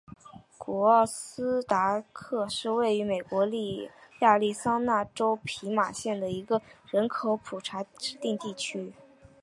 古奥伊达克是位于美国亚利桑那州皮马县的一个人口普查指定地区。